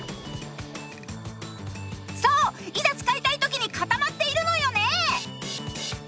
そういざ使いたい時に固まっているのよね